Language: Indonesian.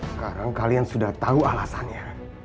sekarang kalian sudah tahu alasannya